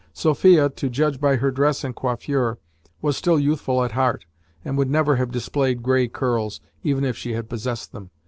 Sophia, to judge by her dress and coiffure, was still youthful at heart, and would never have displayed grey curls, even if she had possessed them.